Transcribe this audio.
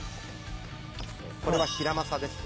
これはヒラマサですね。